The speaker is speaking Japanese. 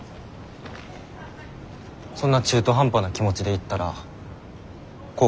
そんな中途半端な気持ちで行ったら後悔するよ。